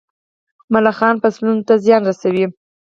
ملخان فصلونو ته زیان رسوي.